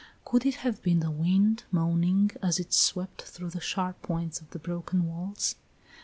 Could it have been the wind, moaning as it swept through the sharp points of the broken walls?